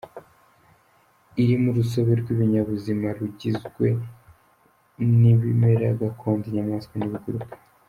Irimo urusobe rw’ibinyabuzima rugizwe n’ibimera gakondo, inyamaswa n’ibiguruka.